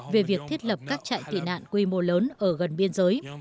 về việc thiết lập các trại tị nạn quy mô lớn ở gần biên giới